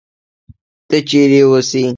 ته چېرې اوسې؟